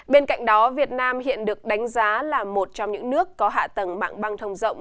bên cạnh đó việt nam hiện được đánh giá là một trong những nước có hạ tầng mạng băng thông rộng